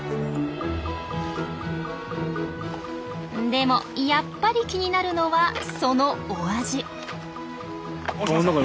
でもやっぱり気になるのはそのお味。